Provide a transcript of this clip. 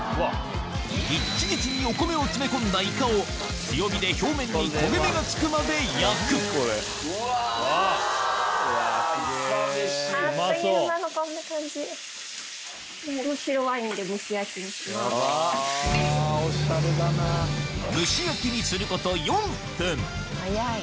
ギッチギチにお米を詰め込んだイカを強火で表面に焦げ目がつくまで焼く早い！